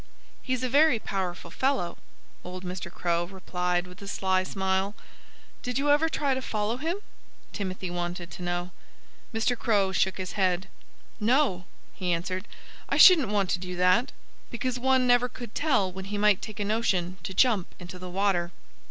"He's a very powerful fellow," old Mr. Crow replied with a sly smile. "Did you ever try to follow him?" Timothy wanted to know. Mr. Crow shook his head. "No!" he answered. "I shouldn't want to do that, because one never could tell when he might take a notion to jump into the water."